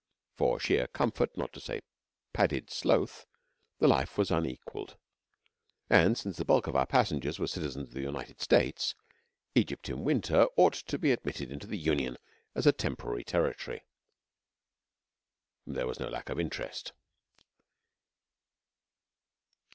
For sheer comfort, not to say padded sloth, the life was unequalled, and since the bulk of our passengers were citizens of the United States Egypt in winter ought to be admitted into the Union as a temporary territory there was no lack of interest.